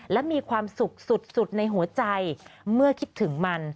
และมีความสุขสุดในหัวใจเมื่อคิดถึงมัน